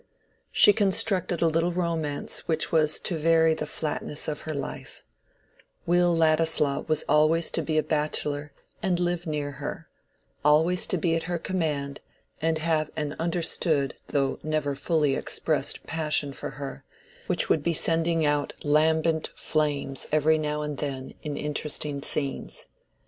She constructed a little romance which was to vary the flatness of her life: Will Ladislaw was always to be a bachelor and live near her, always to be at her command, and have an understood though never fully expressed passion for her, which would be sending out lambent flames every now and then in interesting scenes.